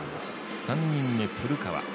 ３人目、古川。